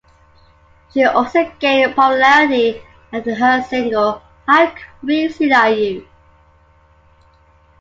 She also gained popularity after her single How Crazy Are You?